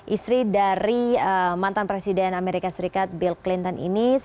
istri dari mantan presiden amerika serikat bill clinton ini